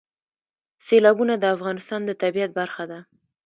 سیلابونه د افغانستان د طبیعت برخه ده.